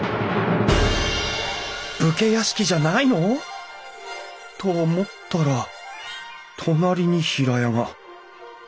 武家屋敷じゃないの！？と思ったら隣に平屋が。